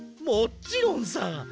もちろんさ！